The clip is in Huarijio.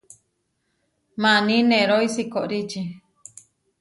Maní nerói sikoríči.